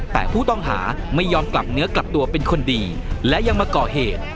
แต่ผู้ต้องหาไม่ยอมกลับเนื้อกลับตัวเป็นคนดีและยังมาก่อเหตุ